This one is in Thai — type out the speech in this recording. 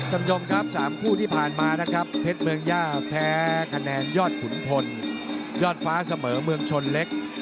ท่านผู้ชมครับ๓คู่ที่ผ่านมานะครับเพชรเมืองย่าแพ้คะแนนยอดขุนพลยอดฟ้าเสมอเมืองชนเล็ก